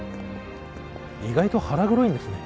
意外と腹黒いんですね